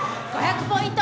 ５００ポイント！